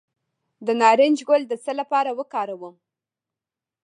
د نارنج ګل د څه لپاره وکاروم؟